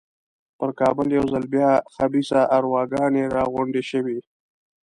پر کابل یو ځل بیا خبیثه ارواګانې را غونډې شوې.